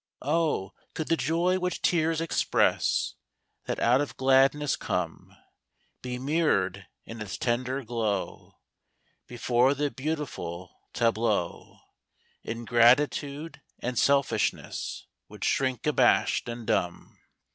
Oh, could the joy which tears express That out of gladness come Be mirrored in its tender glow, Before the beautiful tableau Ingratitude and selfishness Would shrink abashed and dumb!